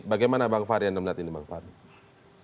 bagaimana bang fahri anda melihat ini bang fahri